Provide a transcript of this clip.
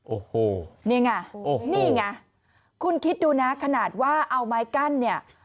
โอ้โหนี่ไงนี่ไงคุณคิดดูนะขนาดว่าเอาไม้กั้นเนี่ย